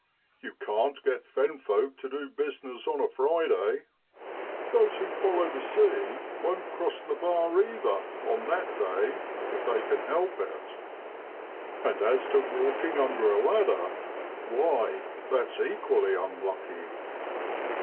You can't get fen folk to do business on a Friday those who follow the sea won't cross the bar, either, on that day, if they can help it; and as to walking under a ladder, why, it's equally unlucky.